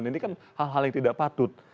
ini kan hal hal yang tidak patut